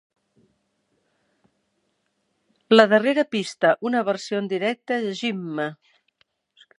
La darrera pista, una versió en directe de Gimme!